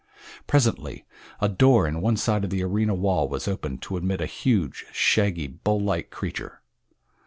Presently a door in one side of the arena wall was opened to admit a huge, shaggy, bull like creature.